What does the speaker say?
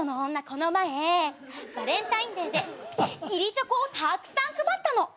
この前バレンタインデーで義理チョコをたくさん配ったの。